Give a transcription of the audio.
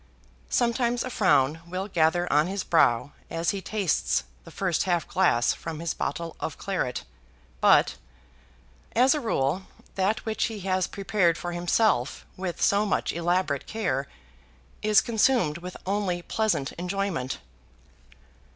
Sometimes a frown will gather on his brow as he tastes the first half glass from his bottle of claret; but as a rule that which he has prepared for himself with so much elaborate care, is consumed with only pleasant enjoyment.